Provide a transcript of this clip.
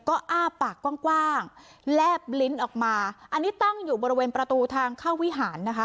ก็อ้าปากกว้างแลบลิ้นออกมาอันนี้ตั้งอยู่บริเวณประตูทางเข้าวิหารนะคะ